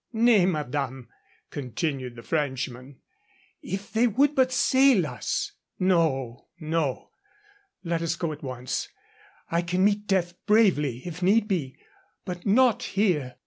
"Nay, madame," continued the Frenchman. "If they would but sail us " "No, no. Let us go at once. I can meet death bravely if need be, but not here."